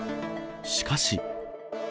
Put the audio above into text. しかし。